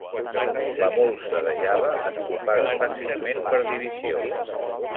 La molsa de Java es propaga fàcilment per divisió.